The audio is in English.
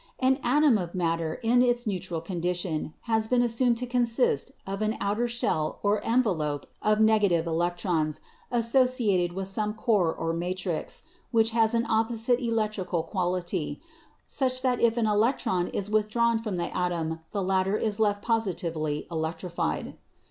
An atom of matter in its neutral condition has been assumed to consist of an outer shell or envelope of negative electrons associated with some core or matrix which has an opposite electrical quality, such that if an electron is withdrawn from the atom the latter is left positively electrified.